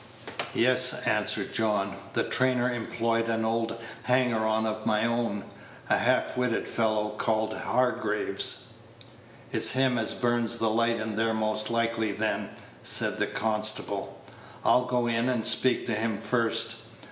"Yes," answered John; "the trainer employed an old hanger on of my own a half witted fellow, called Hargraves." "It's him as burns the light in there most likely, then," said the constable. "I'll go in and speak to him first.